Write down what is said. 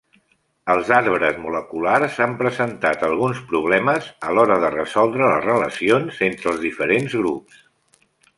Els arbres moleculars han presentat alguns problemes a l'hora de resoldre les relacions entre els diferents grups.